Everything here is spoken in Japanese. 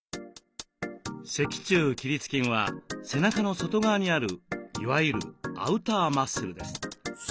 脊柱起立筋は背中の外側にあるいわゆるアウターマッスルです。